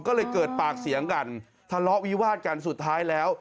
ก็เลยเกิดปากเสียงกันทะเลาะวิวาดกันสุดท้ายแล้ว